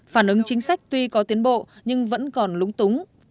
phản ứng chính sách tuy có tiến bộ nhưng vẫn còn lúng túng